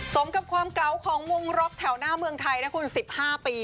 สมกับความเก๋าของวงล็อกแถวหน้าเมืองไทยนะคุณ๑๕ปี